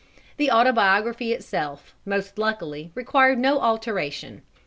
The autobiography itself, most luckily, required no alteration.